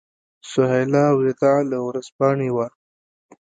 سهیلا وداع له ورځپاڼې وه.